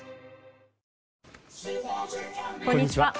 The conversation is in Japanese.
こんにちは。